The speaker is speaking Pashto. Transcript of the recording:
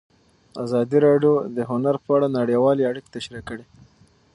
ازادي راډیو د هنر په اړه نړیوالې اړیکې تشریح کړي.